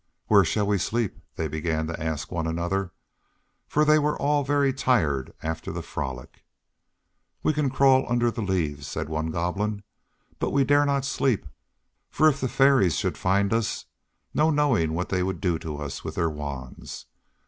"Where shall we sleep?" they began to ask one another, for they were all very tired after the frolic. "We can crawl under the leaves," said one Goblin, "but we dare not sleep, for if the fairies should find us, no knowing what they would do to us with their wands.